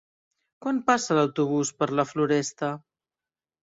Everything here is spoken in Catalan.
Quan passa l'autobús per la Floresta?